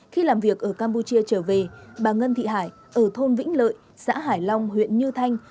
khi làm việc ở campuchia trở về bà ngân thị hải ở thôn vĩnh lợi xã hải long huyện như thanh